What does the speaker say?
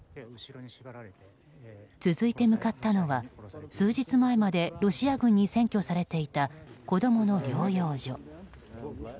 続いて向かったのは数日前までロシア軍に占拠されていた子供の療養所。